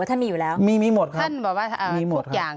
ท่านบอกว่ามีทุกอย่าง